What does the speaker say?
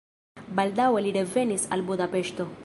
Baldaŭe li revenis al Budapeŝto.